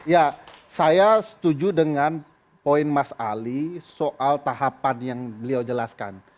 ya saya setuju dengan poin mas ali soal tahapan yang beliau jelaskan